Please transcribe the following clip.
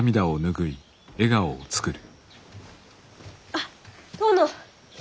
あっ殿。